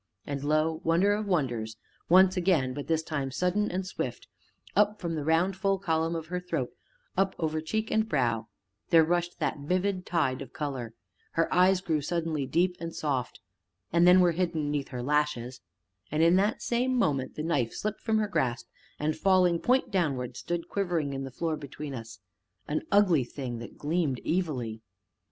And lo! wonder of wonders! once again, but this time sudden and swift up from the round, full column of her throat, up over cheek and brow there rushed that vivid tide of color; her eyes grew suddenly deep and soft, and then were hidden 'neath her lashes and, in that same moment, the knife slipped from her grasp, and falling, point downwards, stood quivering in the floor between us an ugly thing that gleamed evilly.